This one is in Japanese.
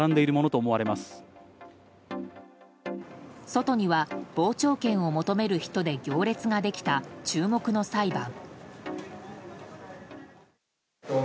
外には傍聴券を求める人で行列ができた注目の裁判。